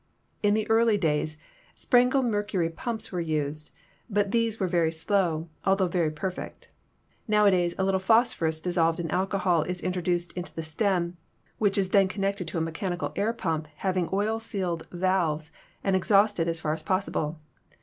In the early days, Sprengel mercury pumps were used, but these were very slow, altho very perfect. Nowadays, a little phosphorus dissolved in alcohol is intro duced into the stem, which is then connected to a mechani cal air pump having oil sealed valves and exhausted as far as possible.